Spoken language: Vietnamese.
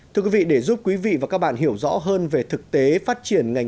thưa quý vị để giúp quý vị và các bạn hiểu rõ hơn về thực tế phát triển ngành